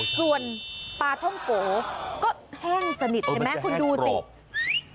ส่วนปลาท่องโกก็แห้งสนิทเห็นไหมคุณดูสิ